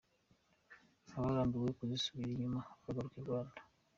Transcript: Abarambiwe bakisubirira inyuma bagaruka i Rwanda.